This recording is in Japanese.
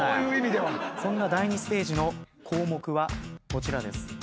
そんな第２ステージの項目はこちらです。